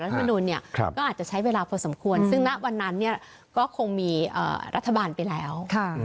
มนุนก็อาจจะใช้เวลาพอสมควรซึ่งณวันนั้นก็คงมีรัฐบาลไปแล้ว